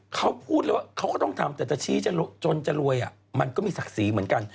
เขาพูดเลยว่าเขาก็ต้องทำแต่จะชี้จนจะรวยมันก็มีศักดิ์ศรีเหมือนกัน